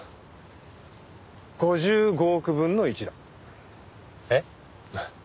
５５億分の１だ。えっ？